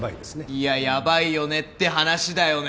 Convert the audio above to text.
いやヤバいよねって話だよね！